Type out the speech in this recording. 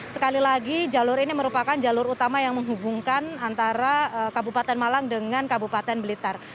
sekali lagi jalur ini merupakan jalur utama yang menghubungkan antara kabupaten malang dengan kabupaten blitar